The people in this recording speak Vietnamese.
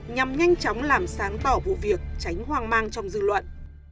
nhằm nhanh chóng làm sáng tỏ vụ việc tránh hoang mang trong dư luận